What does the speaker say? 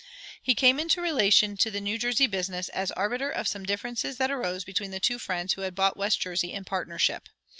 He came into relation to the New Jersey business as arbiter of some differences that arose between the two Friends who had bought West Jersey in partnership.